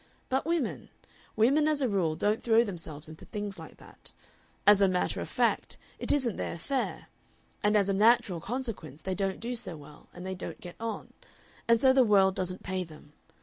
But women women as a rule don't throw themselves into things like that. As a matter of fact it isn't their affair. And as a natural consequence, they don't do so well, and they don't get on and so the world doesn't pay them.